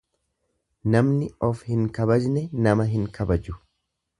Namni of hin kabajne nama hin kabaju.